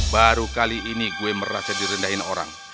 baru kali ini gue merasa direndahin orang